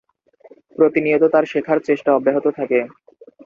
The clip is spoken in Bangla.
প্রতিনিয়ত তার শেখার চেষ্টা অব্যাহত থাকে।